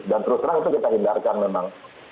dan terus terang itu kita hindarkan memang